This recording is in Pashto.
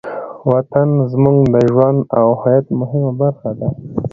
وطن زموږ د ژوند او هویت مهمه برخه ده.